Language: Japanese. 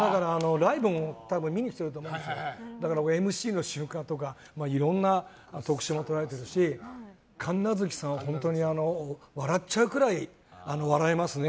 ライブも見に来てると思うんですけどＭＣとかいろんな方来られてるし神奈月さんは、本当に笑っちゃうくらい、笑えますね。